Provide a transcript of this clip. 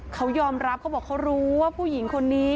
เขายอมรับเขาบอกเขารู้ว่าผู้หญิงคนนี้